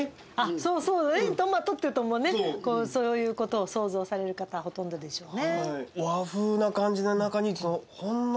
そうそうトマトっていうとそういうことを想像される方ほとんどでしょうね。